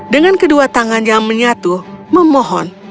dengan kedua tangannya menyatu memohon